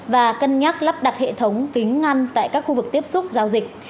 và cân nhắc lắp đặt hệ thống kính ngăn tại các khu vực tiếp xúc giao dịch